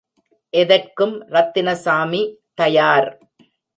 எதற்கும் ரத்தினசாமி தயார்.